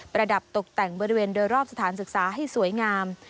ระดับตกแต่งบริเวณโดยรอบสถานศึกษาให้สวยงาม